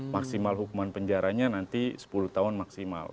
maksimal hukuman penjaranya nanti sepuluh tahun maksimal